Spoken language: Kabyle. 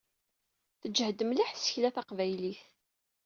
Teǧhed mliḥ tsekla taqbaylit.